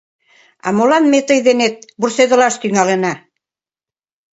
— А молан ме тый денет вурседылаш тӱҥалына?